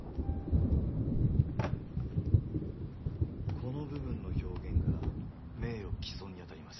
この部分の表現が名誉毀損にあたります